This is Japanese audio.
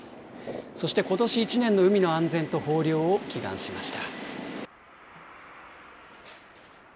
そしてことし１年の海の安全と豊漁を祈願しました。